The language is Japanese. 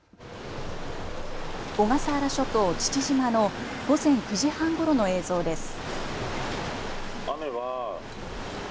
小笠原諸島父島の午前９時半ごろの映像です。